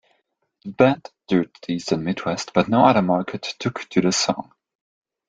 The band toured the eastern Midwest, but no other market took to the song.